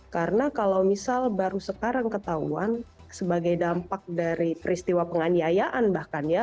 karena kalau misal baru sekarang ketahuan sebagai dampak dari peristiwa penganiayaan bahkan ya